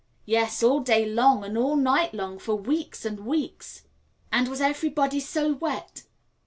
"Yes, all day long and all night long for weeks and weeks " "And was everybody so wet?"